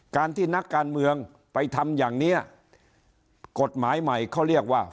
การที่นักการเมืองไปทำอย่างนี้กฎหมายใหม่เขาเรียกว่า